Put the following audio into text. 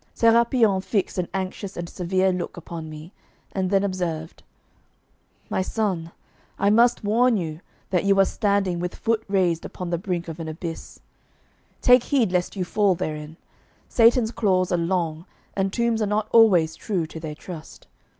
Sérapion fixed an anxious and severe look upon me, and then observed: 'My son, I must warn you that you are standing with foot raised upon the brink of an abyss; take heed lest you fall therein. Satan's claws are long, and tombs are not always true to their trust.